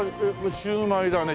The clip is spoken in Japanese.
シューマイだね。